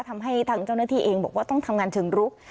ทำให้ทางเจ้าหน้าที่เองบอกว่าต้องทำงานเชิงรุก